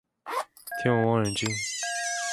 天文望遠鏡